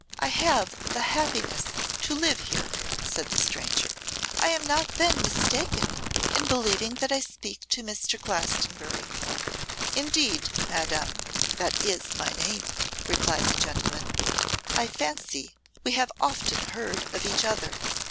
'I have the happiness to live here,' said the stranger. 'I am not then mistaken in believing that I speak to Mr. Glastonbury.' 'Indeed, madam, that is my name,' replied the gentleman; 'I fancy we have often heard of each other.